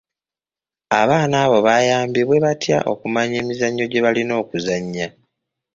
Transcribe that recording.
Abaana abo bayambibwe batya okumanya emizannyo gye balina okuzannya.